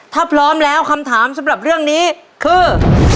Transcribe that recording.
ถ้าพร้อมแล้วคำถามสำหรับเรื่องนี้คือ